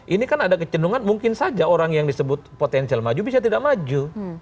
ini kan ada kecendungan mungkin saja orang yang disebut potensial maju bisa tidak maju